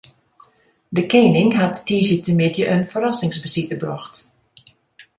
De kening hat tiisdeitemiddei in ferrassingsbesite brocht.